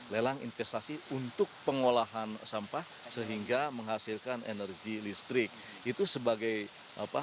lelang investasi untuk pengelolaan sampah sehingga menghasilkan energi listrik tenaga sampah